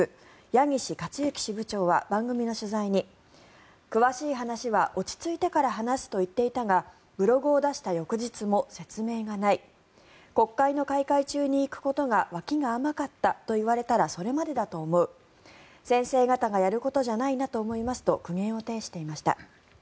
矢岸克行支部長は番組の取材に詳しい話は落ち着いてから話すと言っていたがブログを出した翌日も説明がない国会の開会中に行くことが脇が甘かったと言われたらそれまでだと思う先生方がやることじゃないなと思いますと苦言を呈していました。